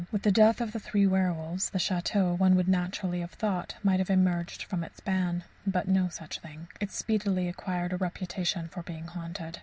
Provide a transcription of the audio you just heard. With the death of the three werwolves the château, one would naturally have thought, might have emerged from its ban. But no such thing. It speedily acquired a reputation for being haunted.